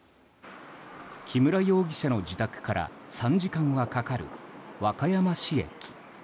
木村容疑者の自宅から３時間はかかる和歌山市駅。